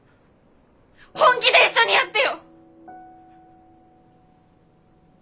本気で一緒にやってよ！